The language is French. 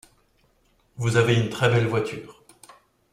Vous avez une très belle voiture.